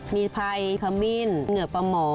มีไพรขมิ้นเหงื่อปะหมอ